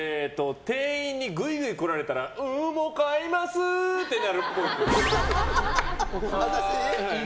店員にグイグイ来られたらんもう買いますってなるっぽい。